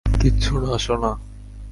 কিচ্ছু না, সোনা।